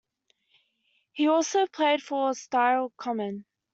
He also played for Stile Common.